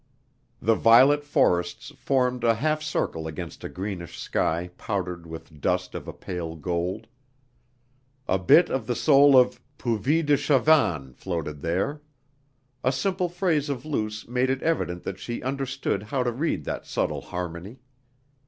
The violet forests formed a half circle against a greenish sky powdered with dust of a pale gold. A bit of the soul of Puvis de Chavannes floated there. A simple phrase of Luce made it evident that she understood how to read that subtle harmony.